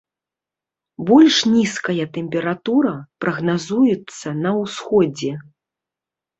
Больш нізкая тэмпература прагназуецца на ўсходзе.